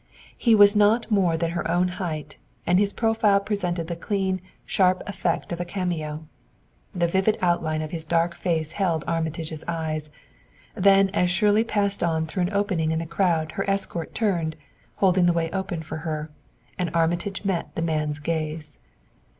He was not more than her own height, and his profile presented the clean, sharp effect of a cameo. The vivid outline of his dark face held Armitage's eyes; then as Shirley passed on through an opening in the crowd her escort turned, holding the way open for her, and Armitage met the man's gaze.